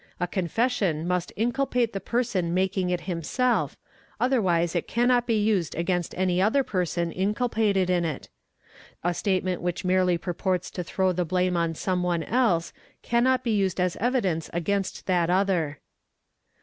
A confession must inculpate the person making it himself, 5 110 EXAMINATION OF ACCUSED otherwise it cannot be used against any other person inculpated in it. — A statement which merely purports to throw the blame on some one else cannot be used as evidence against that other.